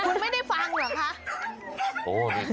คุณไม่ได้ฟังเหรอคะ